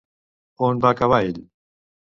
On va acabar ell?